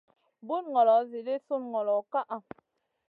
Bun ngolo edii sun ngolo ka ʼa.